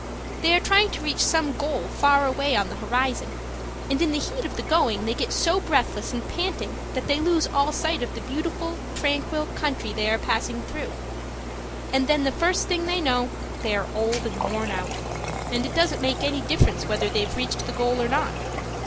They are trying to reach some goal far away on the horizon, and in the heat of the going they get so breathless and panting that they lose all sight of the beautiful, tranquil country they are passing through; and then the first thing they know, they are old and worn out, and it doesn't make any difference whether they've reached the goal or not.